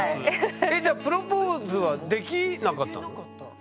プロポーズはできなかったの？